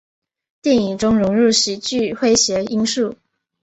电影中融入喜剧诙谐因素。